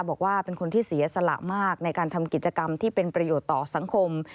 บอกว่าเป็นคนที่เสียสละมากในการทำกิจกรรมที่เป็นประโยชน์ต่อสังคม